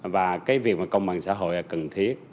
và cái việc mà công bằng xã hội là cần thiết